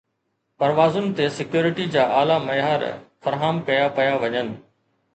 پروازن تي سيڪيورٽي جا اعليٰ معيار فراهم ڪيا پيا وڃن